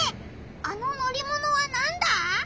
あの乗りものはなんだ？